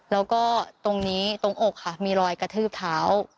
แล้วก็ตรงนี้ตรงอกค่ะมีรอยกระทืบเท้า